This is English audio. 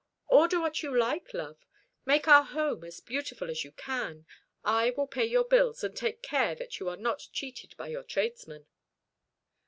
"Order what you like, love. Make our home as beautiful as you can. I will pay your bills, and take care that you are not cheated by your tradesmen."